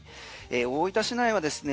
大分市内はですね